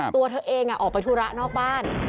ตัวเธอเองออกไปธุระนอกบ้าน